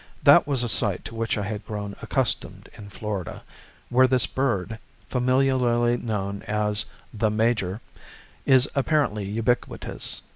That was a sight to which I had grown accustomed in Florida, where this bird, familiarly known as "the major," is apparently ubiquitous.